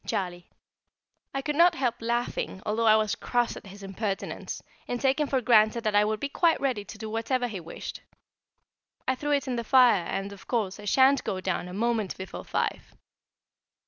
Charlie." I could not help laughing, although I was cross at his impertinence in taking for granted that I would be quite ready to do whatever he wished. I threw it in the fire, and, of course, I shan't go down a moment before five.